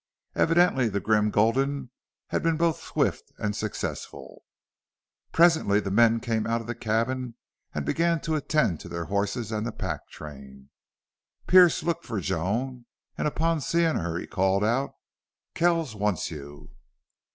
Evidently the grim Gulden had been both swift and successful. Presently the men came out of the cabin and began to attend to their horses and the pack train. Pearce looked for Joan, and upon seeing her called out, "Kells wants you."